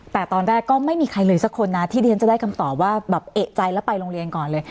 แต่ตอนแรกก็ไม่มีใครเลยสักคนนะที่เรียนจะได้คำตอบว่าแบบเอกใจแล้วไปโรงเรียนก่อนเลย